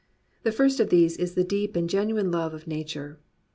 The first of these is the deep and genuine love of nature.